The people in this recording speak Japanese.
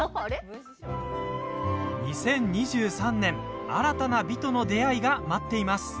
２０２３年、新たな美との出会いが待っています。